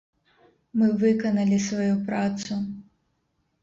Мы выканалі сваю працу.